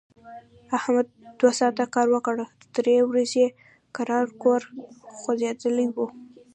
احمد دوه ساعت کار وکړ، درې ورځي کرار کور غځېدلی و.